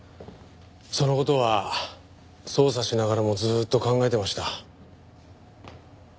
その事は捜査しながらもずっと考えてました。